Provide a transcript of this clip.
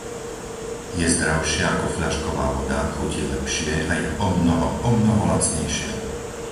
Je zdravšia ako fľašková voda, chutí lepšie a je omnoho, omnoho lacnejšia.